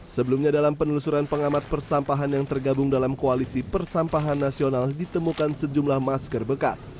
sebelumnya dalam penelusuran pengamat persampahan yang tergabung dalam koalisi persampahan nasional ditemukan sejumlah masker bekas